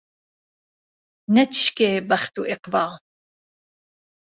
نەت شکێ بهخت و ئیقبال